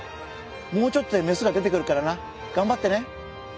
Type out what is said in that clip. もうちょっとでメスが出てくるからながんばってね。